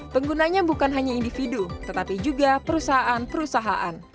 penggunanya bukan hanya individu tetapi juga perusahaan perusahaan